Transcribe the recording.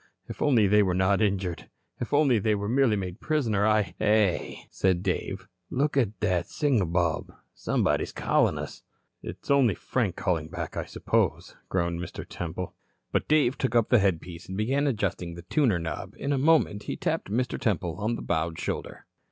If only they were not injured. If only they were merely made prisoner, I " "Hey," said Dave, "look at that signal bulb. Somebody's calling us." "It's only Frank, calling back, I suppose," groaned Mr. Temple. But Dave took up a headpiece and began adjusting the tuner knob. In a moment he tapped Mr. Temple on the bowed shoulder.